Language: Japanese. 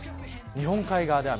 日本海側で雨。